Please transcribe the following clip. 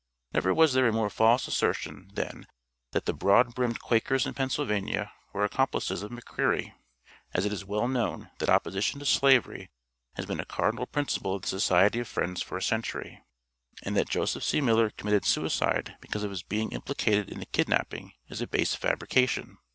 Never was there a more false assertion than that the "broad brimmed Quakers in Pennsylvania were accomplices of McCreary," as it is well known that opposition to slavery has been a cardinal principle of the Society of Friends for a century. And that Joseph C. Miller committed suicide because of his being implicated in the kidnapping is a base fabrication.